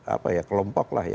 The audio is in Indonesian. apa ya kelompok lah ya